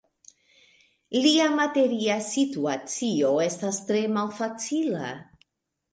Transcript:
Lia materia situacio estas tre malfacila.